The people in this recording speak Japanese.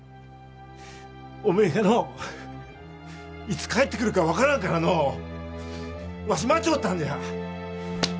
おめえがのういつ帰ってくるか分からんからのうわし待ちょったんじゃ。